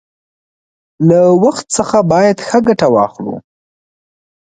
له وخت څخه باید ښه گټه واخلو.